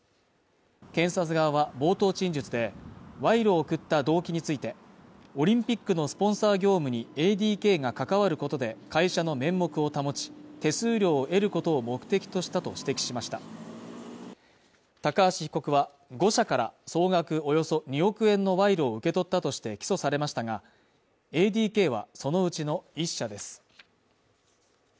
検察側は冒頭陳述で、賄賂を贈った動機について、オリンピックのスポンサー業務にＡＤＫが関わることで、会社の面目を保ち、手数料を得ることを目的としたと指摘しました高橋被告は５社から総額およそ２億円の賄賂を受け取ったとして起訴されましたが、ＡＤＫはそのうちの１社です。